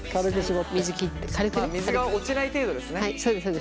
まあ水が落ちない程度ですね。